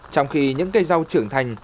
trong khi những cây râu trưởng thành